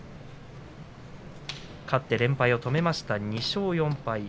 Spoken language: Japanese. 勝って連敗を止めました２勝４敗。